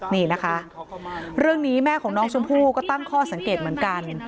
นี่นะคะเรื่องนี้แม่ของน้องชมพู่ก็ตั้งข้อสังเกตเหมือนกัน